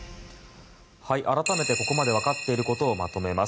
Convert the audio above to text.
改めてここまでわかっていることをまとめます。